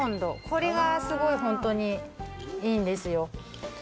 これがすごいホントにいいんですよ